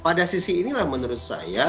pada sisi inilah menurut saya